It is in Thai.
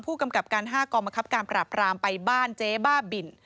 ผู้กำกับการ๕กองบังคับการปราบรามไปบ้านเจ๊บ้าบิน